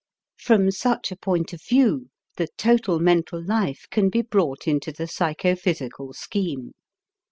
From such a point of view, the total mental life can be brought into the psychophysical scheme.